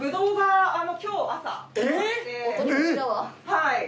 はい。